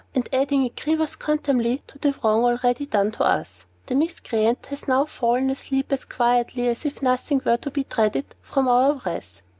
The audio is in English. And, adding a grievous contumely to the wrong already done us, the miscreant has now fallen asleep as quietly as if nothing were to be dreaded from our wrath!